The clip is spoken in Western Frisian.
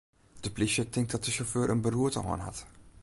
De plysje tinkt dat de sjauffeur in beroerte hân hat.